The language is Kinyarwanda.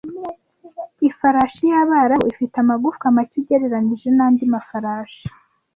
Ifarashi y'Abarabu ifite amagufwa macye ugereranije n'andi mafarashi